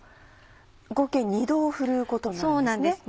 合計２度ふるうことになるんですね。